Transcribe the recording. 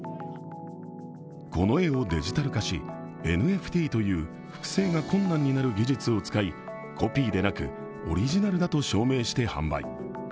この絵をデジタル化しＮＦＴという複製が困難になる技術を使いコピーではなくオリジナルだと証明して販売。